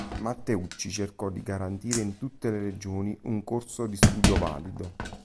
Matteucci cercò di garantire in tutte le Regioni un corso di studio valido.